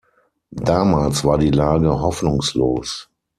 Damals war die Lage hoffnungslos.